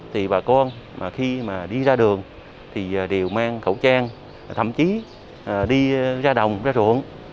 thì bà con khi đi ra đường thì đều mang khẩu trang thậm chí đi ra đồng ra ruộng